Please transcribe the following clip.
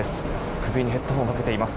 首にヘッドホンをかけています。